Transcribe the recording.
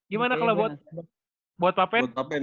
gimana kalo buat pak pen